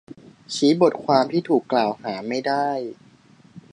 ชี้บทความที่ถูกกล่าวหาไม่ได้